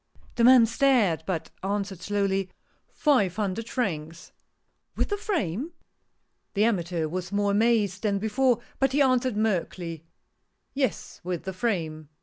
The man stared, but answered, slowly : THE PAINTER. 119 " Five hundred francs." ^" With the frame? " The amateur was more amazed than before, but he answered, meekly :" Yes, with the frame."